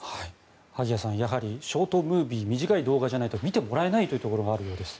萩谷さんやはりショートムービー短い動画じゃないと見てもらえないところがあるようです。